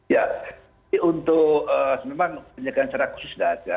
ya untuk sebenarnya memang penyakit secara khusus tidak ada